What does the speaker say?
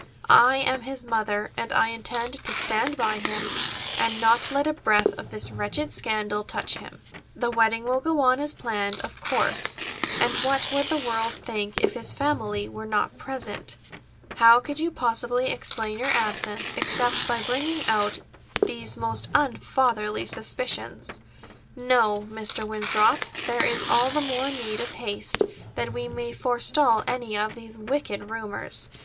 I am his mother, and I intend to stand by him, and not let a breath of this wretched scandal touch him. The wedding will go on as planned, of course, and what would the world think if his family were not present? How could you possibly explain your absence except by bringing out these most unfatherly suspicions? No, Mr. Winthrop, there is all the more need of haste, that we may forestall any of these wicked rumors.